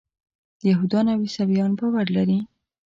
یهودان او عیسویان باور لري.